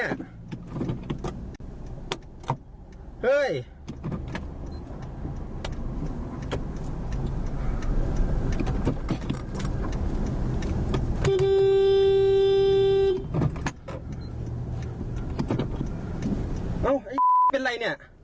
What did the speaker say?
เอ้าเป็นไรเนี่ย